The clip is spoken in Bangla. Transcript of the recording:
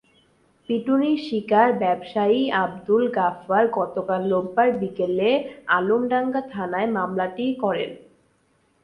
পিটুনির শিকার ব্যবসায়ী আবদুল গাফ্ফার গতকাল রোববার বিকেলে আলমডাঙ্গা থানায় মামলাটি করেন।